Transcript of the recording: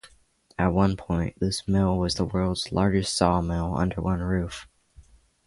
At one point, this mill was the world's largest sawmill under one roof.